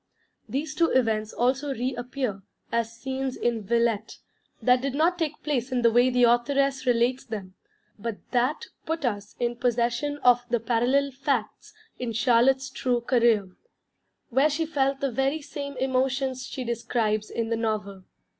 These two events also re appear, as scenes in Villette, that did not take place in the way the authoress relates them; but that put us in possession of the parallel facts in Charlotte's true career: where she felt the very same emotions she describes in the novel.